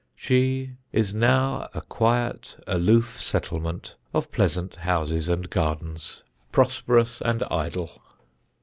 She is now a quiet, aloof settlement of pleasant houses and gardens, prosperous and idle.